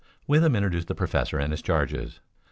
Withem introduced the professor and his charges.